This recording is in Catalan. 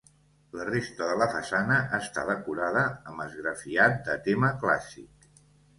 La resta de la façana està decorada amb esgrafiat de tema clàssic.